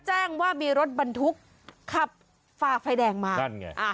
ก็ได้รับแจ้งว่ามีรถบรรทุกขับฝากไฟแดงมา